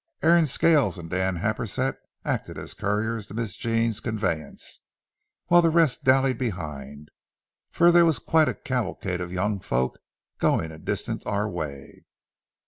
Aaron Scales and Dan Happersett acted as couriers to Miss Jean's conveyance, while the rest dallied behind, for there was quite a cavalcade of young folks going a distance our way.